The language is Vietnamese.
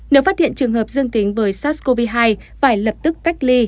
nếu phát hiện trường hợp dương tính với sars cov hai phải lập tức cách ly